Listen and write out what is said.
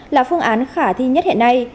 là phương án khả thi nhất hiện nay